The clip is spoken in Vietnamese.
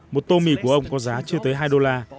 một tô mì của ông có giá chưa tới hai đô la